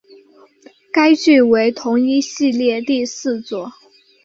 该剧为同一系列第四作。